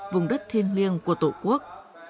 vùng đất thiên liêng của tổ quốc